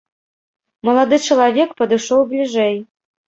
Малады чалавек падышоў бліжэй.